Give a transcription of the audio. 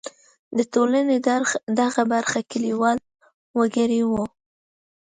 د ټولنې دغه برخه کلیوال وګړي وو.